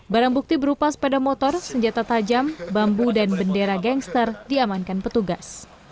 barang bukti berupa sepeda motor senjata tajam bambu dan bendera gangster diamankan petugas